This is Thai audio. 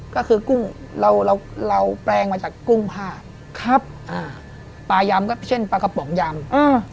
ก็คือกุ้งเราเราเราแปลงมาจากกุ้งผ้าครับอ่าปลายำก็เช่นปลากระป๋องยำอ่า